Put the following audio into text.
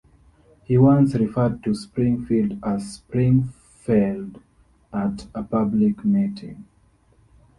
He once referred to Springfield as "Springfeld" at a public meeting.